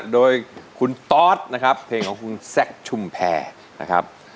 โดยคุณตอสนะครับเพลงของคุณแซคชุมแพรนะครับ